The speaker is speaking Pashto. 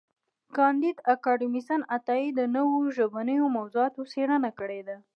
کانديد اکاډميسن عطايي د نوو ژبنیو موضوعاتو څېړنه کړې ده.